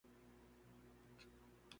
Gucci reacted positively.